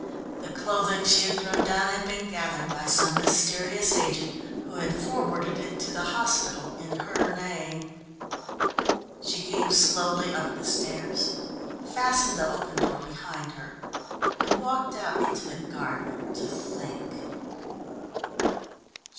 The clothing she had thrown down had been gathered by some mysterious agent, who had forwarded it to the hospital in her name. She came slowly up the stairs, fastened the open door behind her, and walked out into the garden to think.